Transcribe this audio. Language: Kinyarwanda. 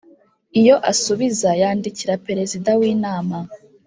Iyo asubiza yandikira perezida w inama